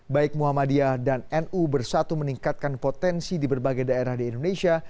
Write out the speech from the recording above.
baik muhammadiyah dan nu bersatu meningkatkan potensi di berbagai daerah di indonesia